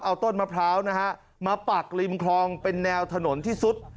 เอาต้นมะพร้าวนะฮะมาปักริมคลองเป็นแนวถนนที่สุด